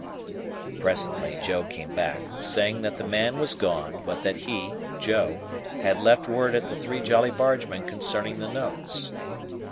Presently, Joe came back, saying that the man was gone, but that he, Joe, had left word at the Three Jolly Bargemen concerning the notes.